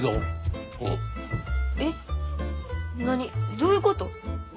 どういうこと？